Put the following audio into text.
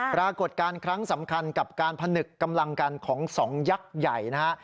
ปรากฏการณ์ครั้งสำคัญกับการผนึกกำลังกันของสองยักษ์ใหญ่นะฮะ